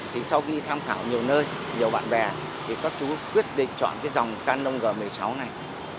thì sau khi tham khảo nhiều nơi nhiều bạn bè thì các chú quyết định chọn cái dòng can năm g một mươi sáu này